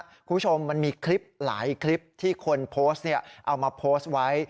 คุณผู้ชมมันมีคลิปหลายคลิปที่คนโพสต์เอามาโพสต์ไว้